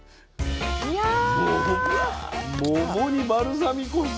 桃にバルサミコ酢？